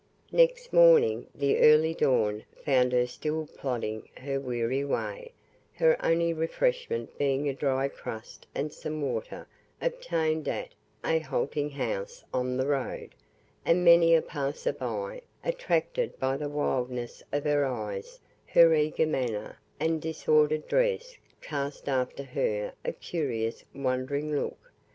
Next morning the early dawn found her still plodding her weary way her only refreshment being a dry crust and some water obtained at an halting house on the road; and many a passer by, attracted by the wildness of her eyes, her eager manner, and disordered dress, cast after her a curious wondering look.